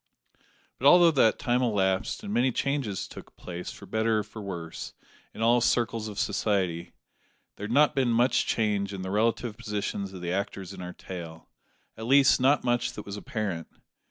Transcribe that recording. But although that time elapsed, and many changes took place, for better or for worse, in all circles of society, there had not been much change in the relative positions of the actors in our tale; at least, not much that was apparent.